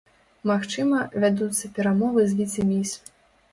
Магчыма, вядуцца перамовы з віцэ-міс.